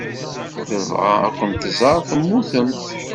Tebɣa ad kent-tẓer temmutemt.